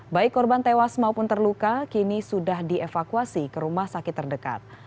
baik korban tewas maupun terluka kini sudah dievakuasi ke rumah sakit terdekat